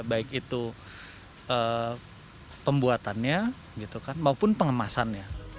baik itu pembuatannya maupun pengemasannya